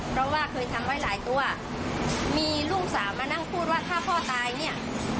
เพราะว่าเคยทำไว้หลายตัวมีลูกสาวมานั่งพูดว่าถ้าพ่อตายเนี่ย